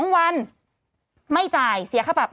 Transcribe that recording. ๒วันไม่จ่ายเสียค่าปรับ